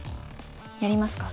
やりますか？